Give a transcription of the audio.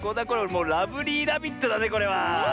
もうラブリーラビットだねこれは。